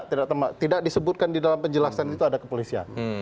tidak disebutkan di dalam penjelasan itu ada kepolisian